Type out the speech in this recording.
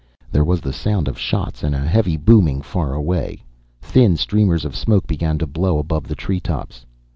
There was the sound of shots and a heavy booming far away. Thin streamers of smoke began to blow above the treetops.